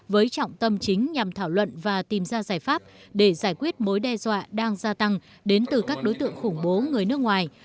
với trọng tâm chính nhằm thảo luận và tìm ra giải pháp để giải quyết mối đe dọa đang gia tăng đến từ các đối tượng khủng bố người nước ngoài